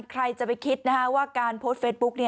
ใครจะไปคิดว่าการโพสต์เฟซบุ๊ก